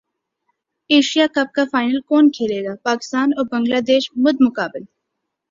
Asia cup کا final کون کھیلے گا پاکستان اور بنگلہ دیش مدمقابل